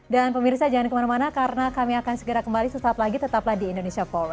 pemirsa jangan kemana mana karena kami akan segera kembali sesaat lagi tetaplah di indonesia forward